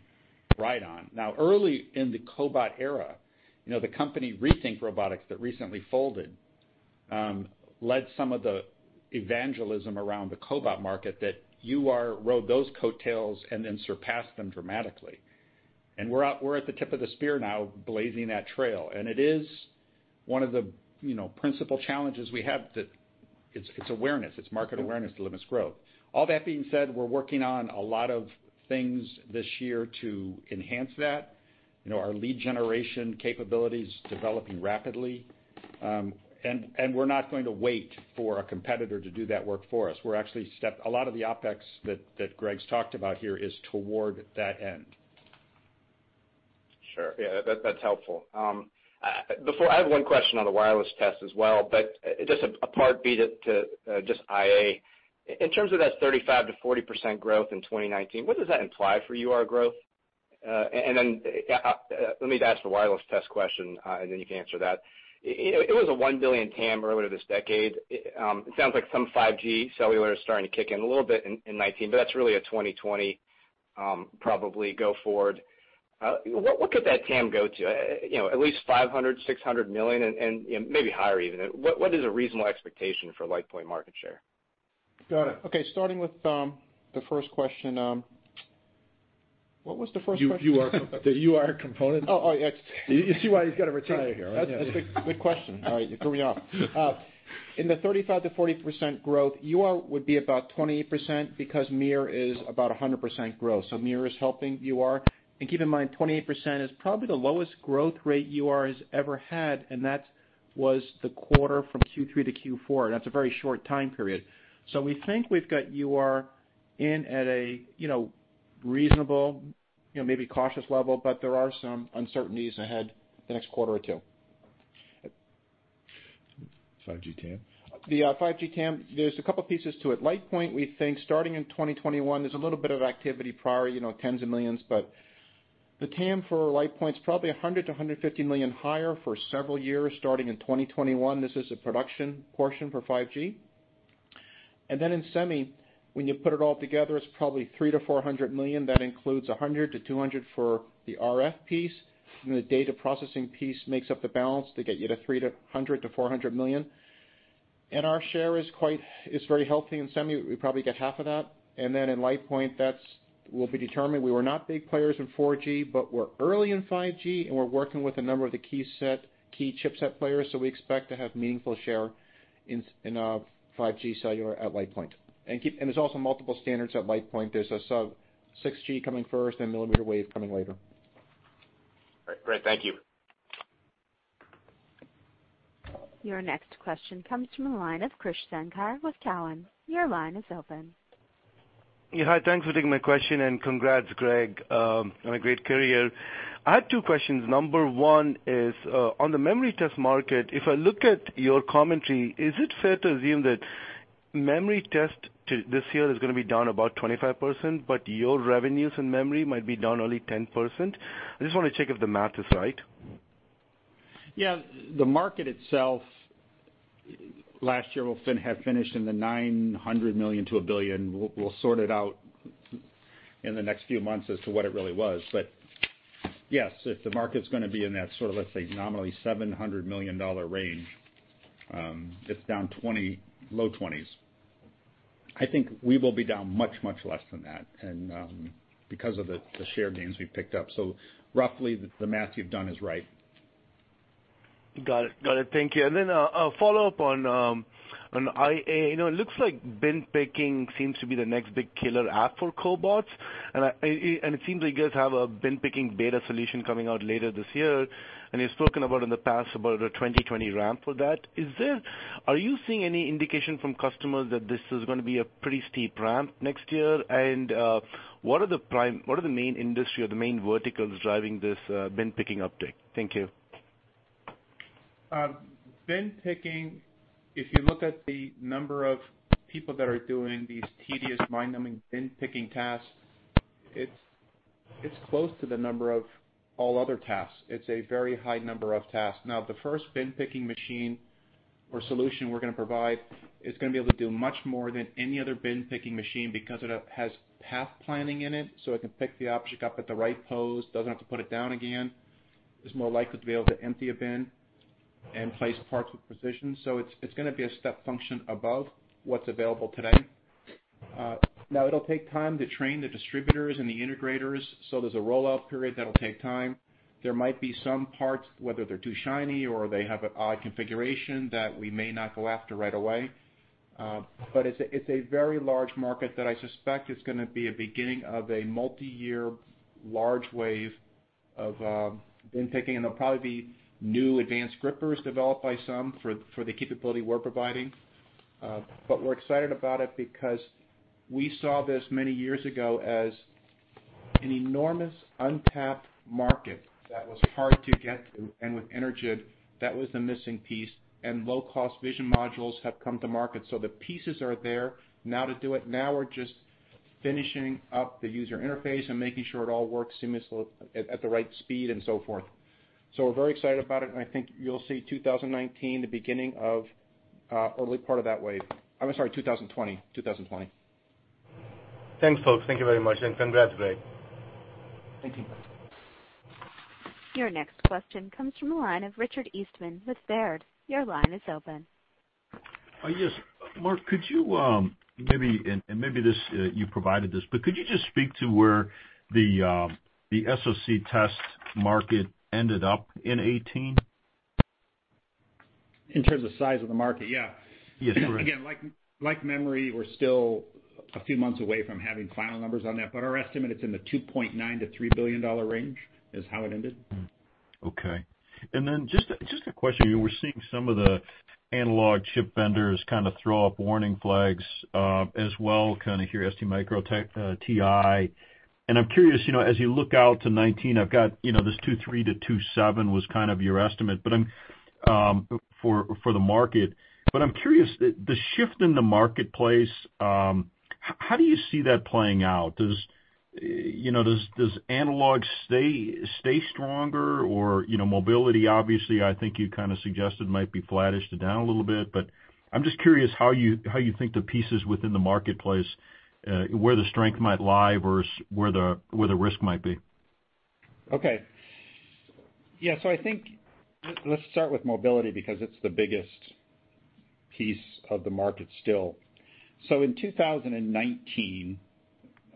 ride on. Early in the cobot era, the company Rethink Robotics that recently folded led some of the evangelism around the cobot market that UR rode those coattails and then surpassed them dramatically. We're at the tip of the spear now, blazing that trail. It is one of the principal challenges we have that it's awareness. It's market awareness that limits growth. All that being said, we're working on a lot of things this year to enhance that. Our lead generation capability's developing rapidly. We're not going to wait for a competitor to do that work for us. A lot of the OpEx that Greg's talked about here is toward that end. Sure. Yeah, that's helpful. I have one question on the wireless test as well, but just a part B to IA. In terms of that 35%-40% growth in 2019, what does that imply for UR growth? Let me ask the wireless test question, and then you can answer that. It was a $1 billion TAM earlier this decade. It sounds like some 5G cellular is starting to kick in a little bit in 2019, but that's really a 2020, probably, go forward. What could that TAM go to? At least $500 million, $600 million, and maybe higher even. What is a reasonable expectation for LitePoint market share? Got it. Okay, starting with the first question. What was the first question? The UR component. Oh, yes. You see why he's got to retire here? That's a good question. All right. You threw me off. In the 35%-40% growth, UR would be about 28% because MiR is about 100% growth. MiR is helping UR. Keep in mind, 28% is probably the lowest growth rate UR has ever had, and that was the quarter from Q3 to Q4. That's a very short time period. We think we've got UR in at a reasonable, maybe cautious level but there are some uncertainties ahead the next quarter or two. 5G TAM. The 5G TAM, there's a couple pieces to it. LitePoint, we think starting in 2021, there's a little bit of activity prior, tens of millions but the TAM for LitePoint's probably $100 million-$150 million higher for several years starting in 2021. This is a production portion for 5G. In semi, when you put it all together, it's probably $300 million-$400 million. That includes $100 million-$200 million for the RF piece, and the data processing piece makes up the balance to get you to $300 million-$400 million. Our share is very healthy in semi. We probably get half of that. In LitePoint, that will be determined. We were not big players in 4G but we're early in 5G, and we're working with a number of the key chipset players. We expect to have meaningful share in 5G cellular at LitePoint. There's also multiple standards at LitePoint. There's a sub-6 GHz coming first and millimeter wave coming later. Great. Thank you. Your next question comes from the line of Krish Sankar with Cowen. Your line is open. Yeah. Hi, thanks for taking my question, and congrats, Greg, on a great career. I have two questions. Number one is, on the memory test market, if I look at your commentary, is it fair to assume that memory test this year is going to be down about 25% but your revenues in memory might be down only 10%? I just want to check if the math is right. Yeah. The market itself last year will have finished in the $900 million to $1 billion. We'll sort it out in the next few months as to what it really was. Yes, if the market's going to be in that sort of, let's say, nominally $700 million range, that's down low 20s. I think we will be down much, much less than that, and because of the share gains we've picked up. Roughly, the math you've done is right. Got it. Thank you. Then a follow-up on IA. It looks like bin picking seems to be the next big killer app for cobots, and it seems like you guys have a bin picking beta solution coming out later this year, and you've spoken about in the past about a 2020 ramp for that. Are you seeing any indication from customers that this is going to be a pretty steep ramp next year? What are the main industry or the main verticals driving this bin picking uptake? Thank you. Bin picking, if you look at the number of people that are doing these tedious, mind-numbing bin picking tasks, it's close to the number of all other tasks. It's a very high number of tasks. Now, the first bin picking machine or solution we're going to provide is going to be able to do much more than any other bin picking machine because it has path planning in it, so it can pick the object up at the right pose, doesn't have to put it down again, it's more likely to be able to empty a bin and place parts with precision. It's going to be a step function above what's available today. Now, it'll take time to train the distributors and the integrators, so there's a rollout period that'll take time. There might be some parts, whether they're too shiny or they have an odd configuration, that we may not go after right away. It's a very large market that I suspect is going to be a beginning of a multi-year large wave of bin picking, and there'll probably be new advanced grippers developed by some for the capability we're providing. We're excited about it because we saw this many years ago as an enormous untapped market that was hard to get to, and with Energid, that was the missing piece, and low-cost vision modules have come to market. The pieces are there now to do it. Now we're just finishing up the user interface and making sure it all works seamlessly at the right speed and so forth. We're very excited about it, and I think you'll see 2019 the beginning of early part of that wave. I'm sorry, 2020. Thanks, folks. Thank you very much, and congrats, Greg. Thank you. Your next question comes from the line of Richard Eastman with Baird. Your line is open. Yes. Mark, could you maybe, and maybe you provided this, but could you just speak to where the SoC test market ended up in 2018? In terms of size of the market? Yeah. Yes, correct. Like memory, we're still a few months away from having final numbers on that, our estimate, it's in the $2.9 billion-$3 billion range, is how it ended. Okay. Just a question, we're seeing some of the analog chip vendors kind of throw up warning flags as well, kind of hear STMicroelectronics, TI. I'm curious, as you look out to 2019, I've got this $2.3 billion-$2.7 billion was kind of your estimate for the market. I'm curious, the shift in the marketplace, how do you see that playing out? Does analog stay stronger or mobility, obviously, I think you kind of suggested might be flattish to down a little bit, I'm just curious how you think the pieces within the marketplace, where the strength might lie or where the risk might be. Okay. Yeah. I think let's start with mobility, because it's the biggest piece of the market still. In 2019,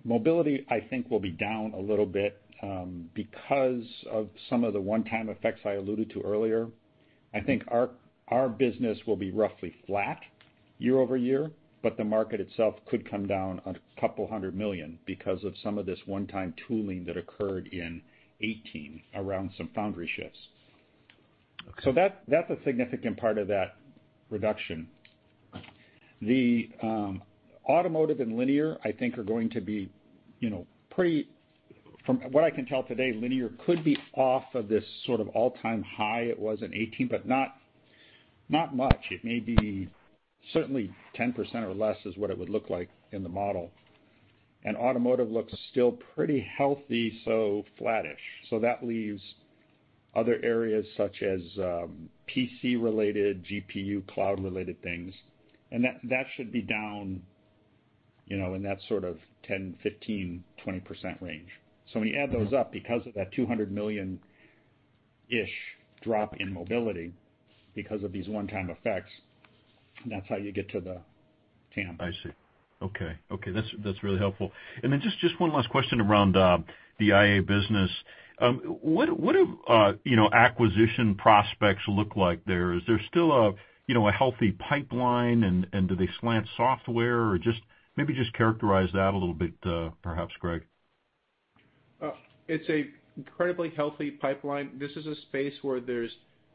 mobility, I think, will be down a little bit because of some of the one-time effects I alluded to earlier. I think our business will be roughly flat year-over-year, the market itself could come down $200 million because of some of this one-time tooling that occurred in 2018 around some foundry shifts. Okay. That's a significant part of that reduction. The automotive and linear, I think, are going to be pretty, from what I can tell today, linear could be off of this sort of all-time high it was in 2018, not much. It may be certainly 10% or less is what it would look like in the model. Automotive looks still pretty healthy, flattish. That leaves other areas such as PC-related, GPU, cloud-related things, and that should be down in that sort of 10%, 15%, 20% range. When you add those up because of that $200 million-ish drop in mobility because of these one-time effects, that's how you get to the TAM. I see. Okay. That's really helpful. Just one last question around the IA business. What do acquisition prospects look like there? Is there still a healthy pipeline? Do they slant software? Or maybe just characterize that a little bit perhaps, Greg. It's an incredibly healthy pipeline. This is a space where there's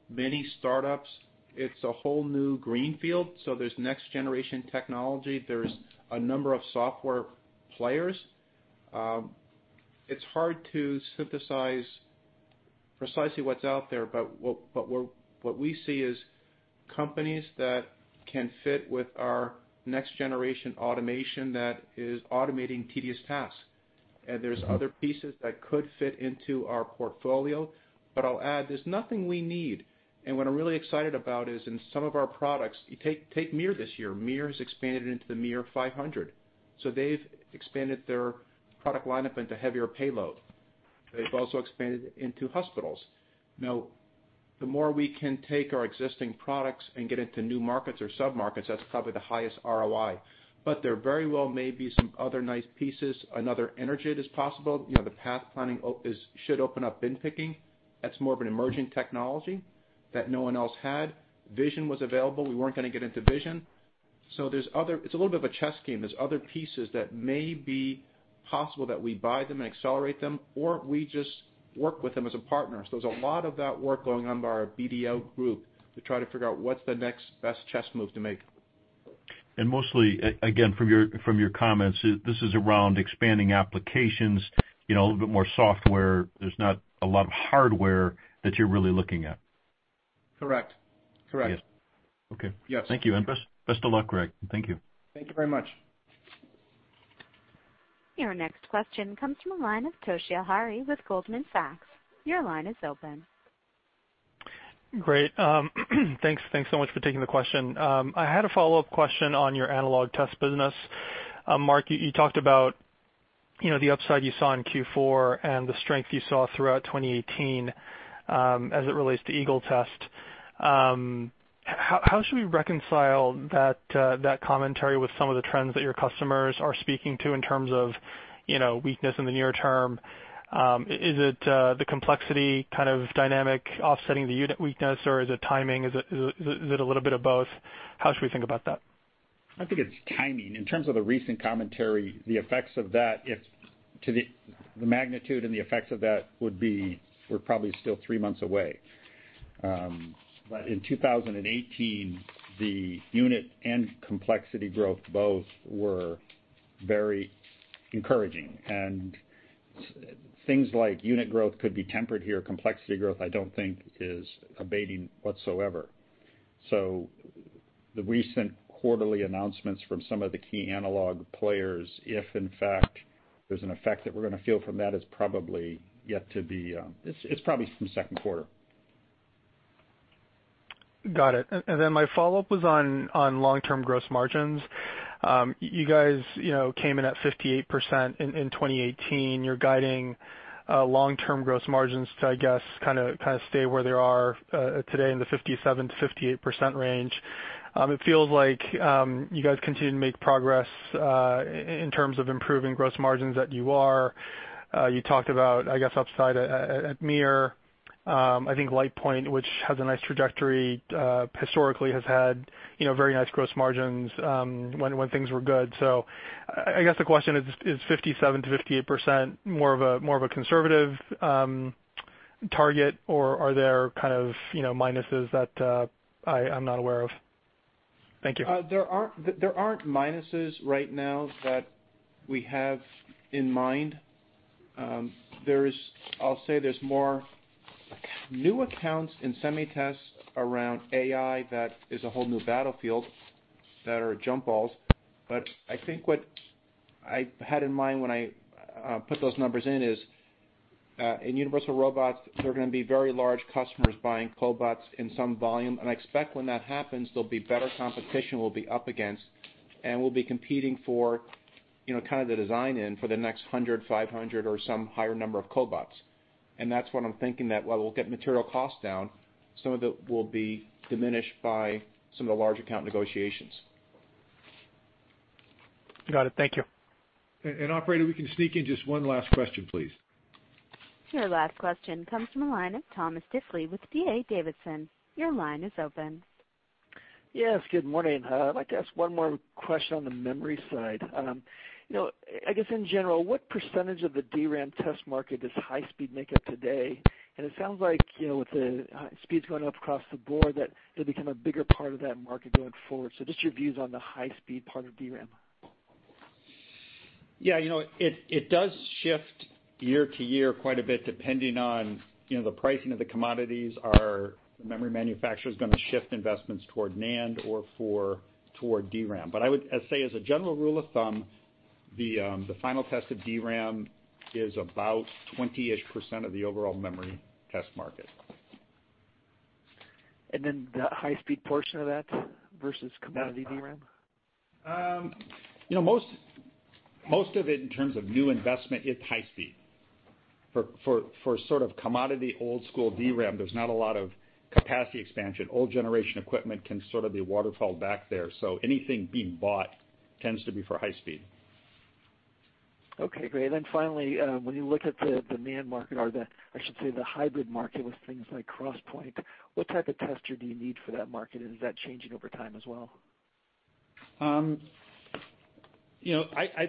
many startups. It's a whole new green field, there's next generation technology. There's a number of software players. It's hard to synthesize precisely what's out there, what we see is companies that can fit with our next generation automation that is automating tedious tasks. There's other pieces that could fit into our portfolio, I'll add, there's nothing we need. What I'm really excited about is in some of our products, take MiR this year. MiR has expanded into the MiR500. They've expanded their product lineup into heavier payload. They've also expanded into hospitals. The more we can take our existing products and get into new markets or sub-markets, that's probably the highest ROI. There very well may be some other nice pieces. Another Energid is possible. The path planning should open up bin picking. That's more of an emerging technology that no one else had. Vision was available. We weren't going to get into vision. It's a little bit of a chess game. There's other pieces that may be possible that we buy them and accelerate them, or we just work with them as a partner. There's a lot of that work going on by our Business Development group to try to figure out what's the next best chess move to make. Mostly, again, from your comments, this is around expanding applications, a little bit more software. There's not a lot of hardware that you're really looking at. Correct. Yes. Okay. Yes. Thank you. Best of luck, Greg. Thank you. Thank you very much. Your next question comes from the line of Toshiya Hari with Goldman Sachs. Your line is open. Great. Thanks so much for taking the question. I had a follow-up question on your analog test business. Mark, you talked about the upside you saw in Q4 and the strength you saw throughout 2018 as it relates to Eagle Test. How should we reconcile that commentary with some of the trends that your customers are speaking to in terms of weakness in the near term? Is it the complexity kind of dynamic offsetting the unit weakness, or is it timing? Is it a little bit of both? How should we think about that? I think it's timing. In terms of the recent commentary, the magnitude and the effects of that, we're probably still three months away. In 2018, the unit and complexity growth both were very encouraging. Things like unit growth could be tempered here. Complexity growth, I don't think is abating whatsoever. The recent quarterly announcements from some of the key analog players, if in fact there's an effect that we're going to feel from that, it's probably some second quarter. Got it. My follow-up was on long-term gross margins. You guys came in at 58% in 2018. You're guiding long-term gross margins to, I guess, kind of stay where they are today in the 57%-58% range. It feels like you guys continue to make progress in terms of improving gross margins that you are. You talked about, I guess, upside at MiR. I think LitePoint, which has a nice trajectory historically, has had very nice gross margins when things were good. I guess the question is 57%-58% more of a conservative target, or are there kind of minuses that I'm not aware of? Thank you. There aren't minuses right now that we have in mind. I'll say there's more new accounts in SemiTest around AI that is a whole new battlefield that are jump balls. I think what I had in mind when I put those numbers in is, in Universal Robots, there are going to be very large customers buying cobots in some volume. I expect when that happens, there'll be better competition we'll be up against, and we'll be competing for kind of the design-in for the next 100, 500 or some higher number of cobots. That's what I'm thinking that while we'll get material costs down, some of it will be diminished by some of the large account negotiations. Got it. Thank you. Operator, we can sneak in just one last question, please. Your last question comes from the line of Thomas Diffely with D.A. Davidson. Your line is open. Yes, good morning. I'd like to ask one more question on the memory side. I guess in general, what percentage of the DRAM test market does high-speed make up today? It sounds like, with the speeds going up across the board, that it'll become a bigger part of that market going forward. Just your views on the high-speed part of DRAM. Yeah. It does shift year-to-year quite a bit depending on the pricing of the commodities. Are the memory manufacturers going to shift investments toward NAND or toward DRAM? I would say as a general rule of thumb, the final test of DRAM is about 20%-ish of the overall memory test market. The high-speed portion of that versus commodity DRAM? Most of it in terms of new investment, it's high speed. For sort of commodity old school DRAM, there's not a lot of capacity expansion. Old generation equipment can sort of be waterfalled back there. Anything being bought tends to be for high speed. Okay, great. Finally, when you look at the NAND market, or I should say the hybrid market with things like 3D XPoint, what type of tester do you need for that market? Is that changing over time as well? I'd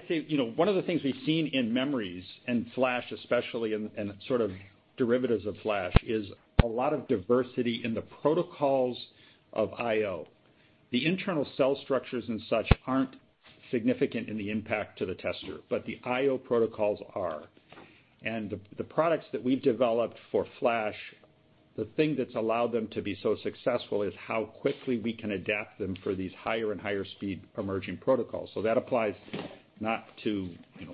say, one of the things we've seen in memories, and flash especially, and sort of derivatives of flash, is a lot of diversity in the protocols of IO. The internal cell structures and such aren't significant in the impact to the tester, but the IO protocols are. The products that we've developed for flash, the thing that's allowed them to be so successful is how quickly we can adapt them for these higher and higher speed emerging protocols. That applies not to the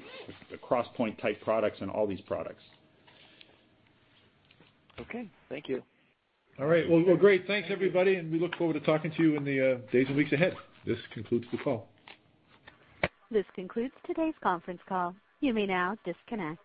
3D XPoint-type products and all these products. Okay, thank you. All right. Well, great. Thanks, everybody, and we look forward to talking to you in the days and weeks ahead. This concludes the call. This concludes today's conference call. You may now disconnect.